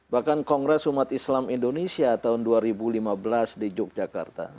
bahkan kongres umat islam indonesia tahun dua ribu lima belas di yogyakarta